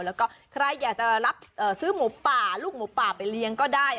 แล้วก็ใครอยากจะรับซื้อหมูป่าลูกหมูป่าไปเลี้ยงก็ได้